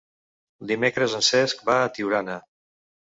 Dimecres en Cesc va a Tiurana.